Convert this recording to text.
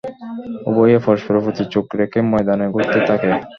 উভয়ে পরস্পরের প্রতি চোখ রেখে ময়দানে ঘুরতে থাকে।